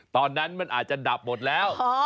ตอนนั้นมันอาจจะดับหมดแล้ว